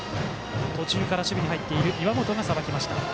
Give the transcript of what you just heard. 途中から守備に入っている岩本がさばきました。